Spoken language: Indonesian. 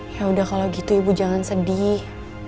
ya udah kalau gitu ibu jangan sedih